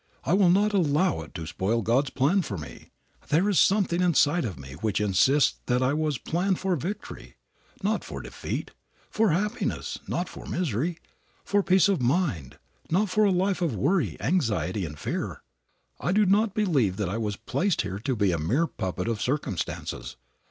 I will not allow it to spoil God's plan for me. There is something inside of me which insists that I was planned for victory, not for defeat, for happiness, not for misery, for peace of mind, not for a life of worry, anxiety, and fear. I do not believe that I was placed here to be a mere puppet of circumstances.